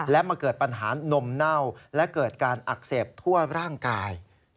และมาเกิดปัญหานมเน่าและเกิดการอักเสบทั่วร่างกาย